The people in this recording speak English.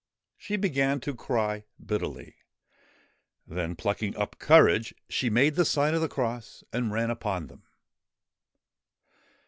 She began to cry bitterly ; then, plucking up courage, she made the sign of the cross and ran upon them.